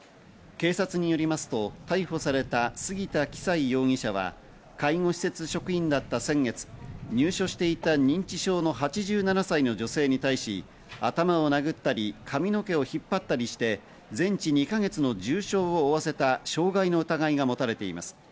警察によりますと逮捕された杉田企才容疑者は、介護施設職員だった先月、入所していた認知症の８７歳の女性に対し、頭を殴ったり髪の毛を引っ張ったりして全治２か月の重傷を負わせた傷害の疑いが持たれています。